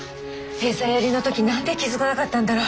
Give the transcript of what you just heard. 餌やりの時何で気付かなかったんだろう。